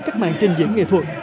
các mạng trình diễn nghệ thuật